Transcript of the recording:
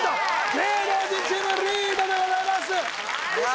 芸能人チームリードでございますさあ